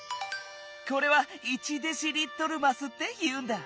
これは「１デシリットルます」っていうんだ。